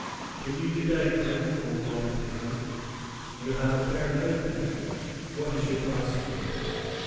"Give you good day, friend," called Robin to him. "You have a fair load there what is your price for it?"